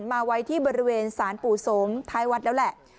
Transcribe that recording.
มาไว้ที่บริเวณสารปู่สงท้ายวัดแล้วแหละ